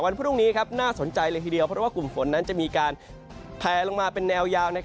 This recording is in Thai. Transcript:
วันพรุ่งนี้น่าสนใจเลยทีเดียวเพราะว่ากลุ่มฝนนั้นจะมีการแพลลงมาเป็นแนวยาว